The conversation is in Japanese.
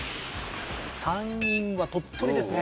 山陰は鳥取ですね